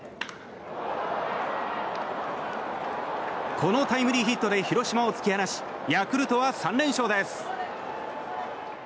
このタイムリーヒットで広島を突き放しヤクルトは３連勝です。